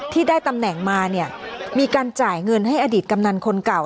ที่ได้ตำแหน่งมาเนี่ยมีการจ่ายเงินให้อดีตกำนันคนเก่า